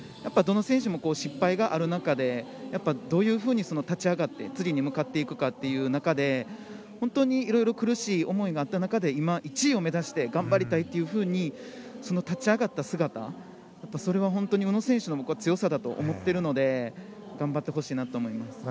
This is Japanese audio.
どの選手も失敗がある中でどういうふうに立ち上がって次に向かっていくかという中で本当にいろいろ苦しい思いがあった中で今、１位を目指して頑張りたいと立ち上がった姿は本当に宇野選手の強さだと思っているので頑張ってほしいと思います。